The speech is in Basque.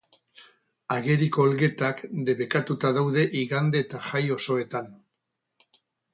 Ageriko olgetak debekatuta daude igande eta jai osoetan.